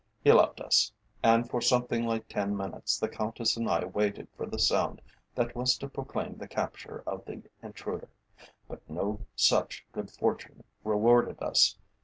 He left us, and for something like ten minutes the Countess and I waited for the sound that was to proclaim the capture of the intruder. But no such good fortune rewarded us.